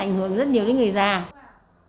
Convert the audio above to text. nó ảnh hưởng rất nhiều đến người dân